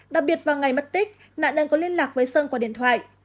đặc biệt vào ngày mất tích nạn nhân có liên lạc với sơn qua điện thoại